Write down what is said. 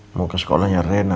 mau ke sekolahnya rena